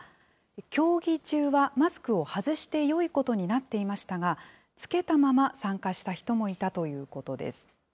競技中はマスクを外してよいことになっていましたが、着けたまま参加した人もいたということです。